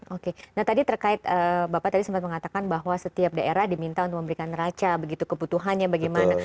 oke nah tadi terkait bapak tadi sempat mengatakan bahwa setiap daerah diminta untuk memberikan neraca begitu kebutuhannya bagaimana